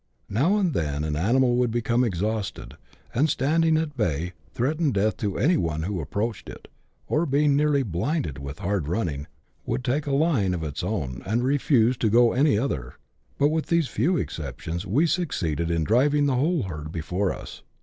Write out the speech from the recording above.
Now and then an animal would become exhausted, and, standing at bay, threaten death to any one who approached it ; or, being nearly blinded with hard running, would take a line of its own, and refuse to go any other ; but with these few exceptions we succeeded in driving the whole herd before us.